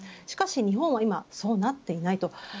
しかし今日本はそうなっていないと。